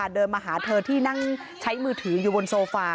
เดินมาหาเธอที่นั่งใช้มือถืออยู่บนโซฟา